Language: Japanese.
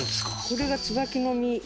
これがツバキの実。